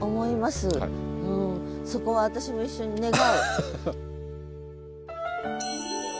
そこは私も一緒に願う。